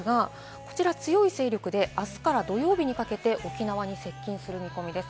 こちら、強い勢力で、あすから土曜日にかけて沖縄に接近する見込みです。